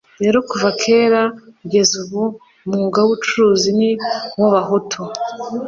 rero kuva kera kugeza ubu, umwuga w'ubucuzi ni uw'abahutu.